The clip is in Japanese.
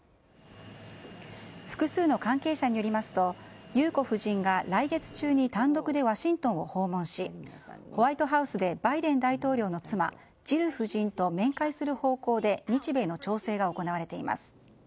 複数の関係者によりますと裕子夫人が来月中に単独でワシントンを訪問しホワイトハウスでバイデン大統領の妻ジル夫人と面会する方向で日米の調整が行われています。